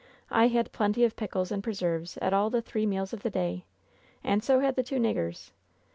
I had plenty of pickles and preserves at all the three meals of the day. And so had the two niggers.